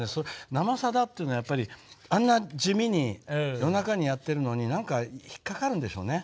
「生さだ」っていうのはやっぱりあんな地味に夜中にやってるのに何か引っ掛かるんでしょうね。